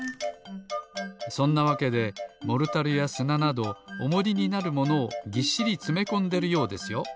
そんなわけでモルタルやすななどおもりになるものをぎっしりつめこんでるようですよ。